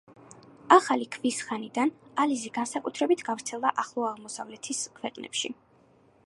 ახალი ქვის ხანიდან ალიზი განსაკუთრებით გავრცელდა ახლო აღმოსავლეთის ქვეყნებში.